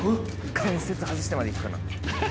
関節外してまで行くかな？